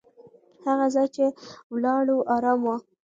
هغه ځای چې ولاړو، ارام و.